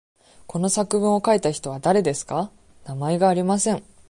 この作文を書いた人は誰ですか。名前がありません。